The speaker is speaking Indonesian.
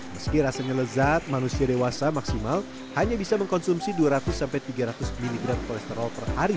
meski rasanya lezat manusia dewasa maksimal hanya bisa mengkonsumsi dua ratus tiga ratus mg kolesterol per hari